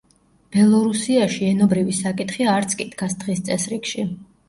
ბელორუსიაში ენობრივი საკითხი არც კი დგას დღის წესრიგში.